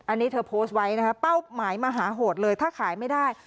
อันนี้เธอโพสต์ไว้นะคะเป้าหมายมหาโหดเลยถ้าขายไม่ได้